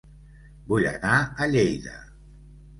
Vull anar a Lleida